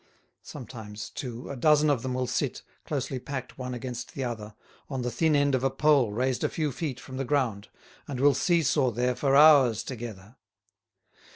Sometimes, too, a dozen of them will sit, closely packed one against the other, on the thin end of a pole raised a few feet from the ground, and will see saw there for hours together.